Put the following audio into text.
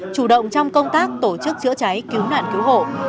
chủ động trong công tác tổ chức chữa cháy cứu nạn cứu hộ